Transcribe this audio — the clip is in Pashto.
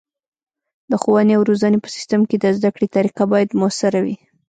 د ښوونې او روزنې په سیستم کې د زده کړې طریقه باید مؤثره وي.